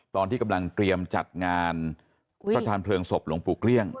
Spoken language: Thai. ตอนที่กำลังเตรียมจัดงานพระทานเพลิงศพหลวงปู่เกลี้ยง